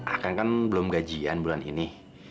akan kan belum gajian bulan ini